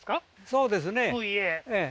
そうですねええ